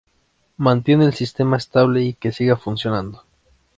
Mantiene el sistema estable y que siga funcionando.